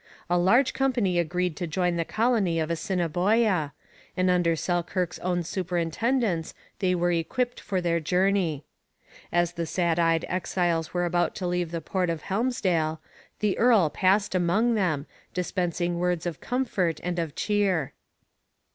A large company agreed to join the colony of Assiniboia, and under Selkirk's own superintendence they were equipped for the journey. As the sad eyed exiles were about to leave the port of Helmsdale, the earl passed among them, dispensing words of comfort and of cheer.